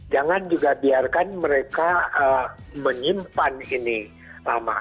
jangan juga biarkan mereka menyimpan ini lama